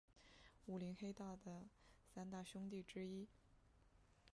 武林黑道的三大凶地之一。